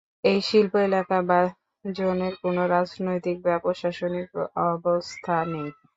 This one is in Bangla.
এই শিল্প এলাকা বা জোনের কোন রাজনৈতিক বা প্রশাসনিক অবস্থা নেই।